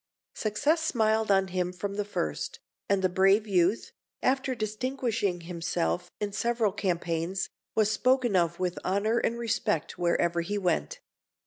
Success smiled on him from the first, and the brave youth, after distinguishing himself in several campaigns, was spoken of with honour and respect wherever he went.